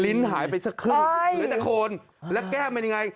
ลิ้นหายไปสักครึ่งเหลือแต่โคนแล้วแก้มเป็นยังไง